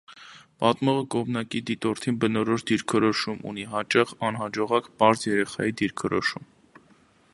Պատմողը կողմնակի դիտորդին բնորոշ դիրքորոշում ունի, հաճախ անհաջողակ պարզ երեխայի դիրքորոշում։